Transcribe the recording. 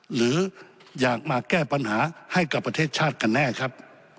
หรืออยากมาแก้ปัญหาให้กับประเทศชาติกันแน่ครับ